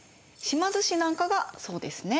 島津氏なんかがそうですね。